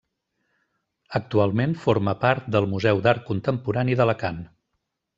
Actualment forma part del Museu d'Art Contemporani d'Alacant.